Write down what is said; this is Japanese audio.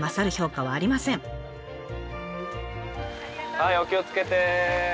はいお気をつけて。